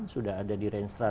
enam enam sudah ada di rensra